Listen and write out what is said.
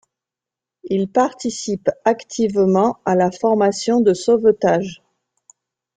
Il participe activement à la formation de sauvetage.